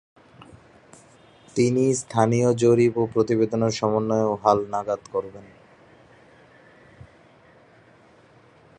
তিনি স্থানীয় জরিপ ও প্রতিবেদনের সমন্বয় ও হাল-নাগাদ করবেন।